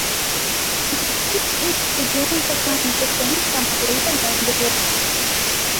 Mississippi Nchi ilianza kama mkusanyiko wa makoloni ya Uingereza